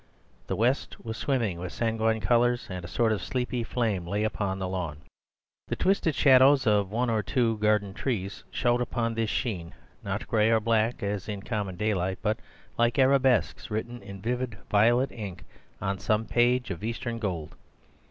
The west was swimming with sanguine colours, and a sort of sleepy flame lay along the lawn. The twisted shadows of the one or two garden trees showed upon this sheen, not gray or black, as in common daylight, but like arabesques written in vivid violet ink on some page of Eastern gold.